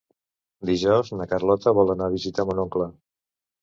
Dijous na Carlota vol anar a visitar mon oncle.